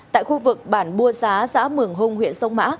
tại khu vực bản bùa xá xã mường hùng huyện sông mã